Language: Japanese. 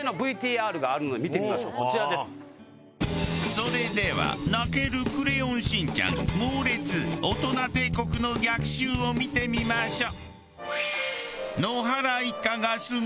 それでは泣ける『クレヨンしんちゃん』『モーレツ！オトナ帝国の逆襲』を見てみましょう。